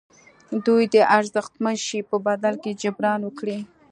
دوی د ارزښتمن شي په بدل کې جبران وکړي.